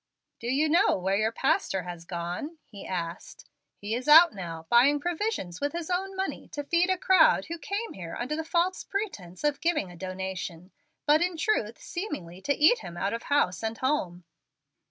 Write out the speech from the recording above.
"Do you know where your pastor has gone?" he asked. "He is out now buying provisions with his own money to feed a crowd who came here under the false pretence of giving a donation, but, in truth, seemingly to eat him out of house and home."